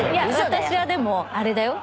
私はでもあれだよ。